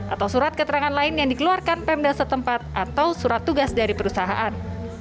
atau surat keterangan lain yang dikeluarkan pemda setempat atau surat tugas dari perusahaan